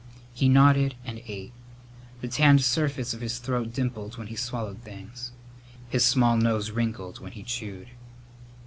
He nodded and ate. The tanned surface of his throat dimpled when he swallowed things. His small nose wrinkled when he chewed.